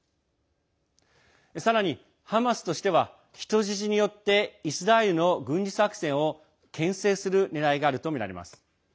さらに、ハマスとしては人質によってイスラエルの軍事作戦をけん制するねらいがあるとみられます。